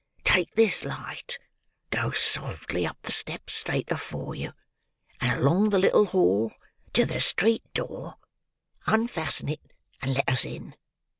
Take this light; go softly up the steps straight afore you, and along the little hall, to the street door; unfasten it, and let us in."